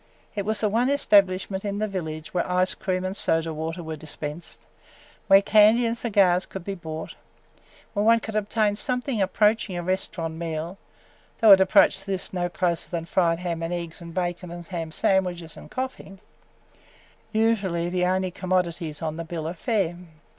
It was the one establishment in the village where ice cream and soda water were dispensed, where candy and cigars could be bought, where one could obtain something approaching a restaurant meal – though it approached this no closer than fried ham and eggs and bacon and ham sandwiches and coffee – usually the only commodities on the bill of fare!